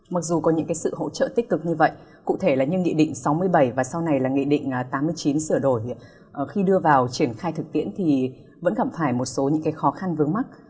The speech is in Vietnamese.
mặc dù có những sự hỗ trợ tích cực như vậy cụ thể là nhưng nghị định sáu mươi bảy và sau này là nghị định tám mươi chín sửa đổi khi đưa vào triển khai thực tiễn thì vẫn gặp phải một số những khó khăn vướng mắt